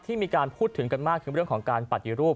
มีการพูดถึงกันมากคือเรื่องของการปฏิรูป